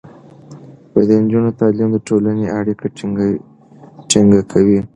د نجونو تعليم د ټولنې اړيکې ټينګې کوي.